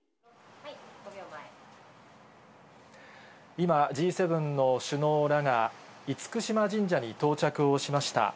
今、Ｇ７の首脳らが、厳島神社に到着をしました。